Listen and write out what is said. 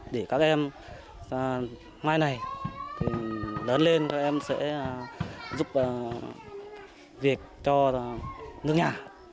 để các em mai này lớn lên và em sẽ giúp việc cho nước nhà